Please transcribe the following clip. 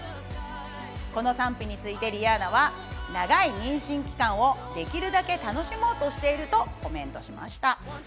この賛否についてリアーナは長い妊娠期間をできるだけ楽しもうとしているとコメントしました。